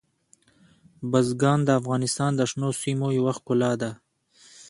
بزګان د افغانستان د شنو سیمو یوه ښکلا ده.